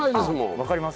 分かります？